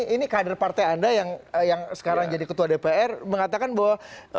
ini kader partai anda yang sekarang jadi ketua dpr mengatakan bahwa